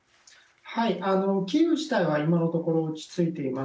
キーウ自体は今のところ落ち着いています。